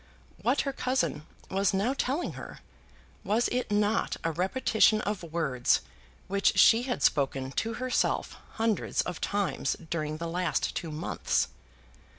What her cousin was now telling her, was it not a repetition of words which she had spoken to herself hundreds of times during the last two months?